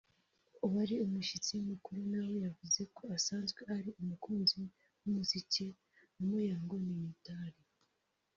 wari umushyitsi mukuru nawe yavuze ko asanzwe ari umukunzi w’umuziki wa Muyango n’Imitali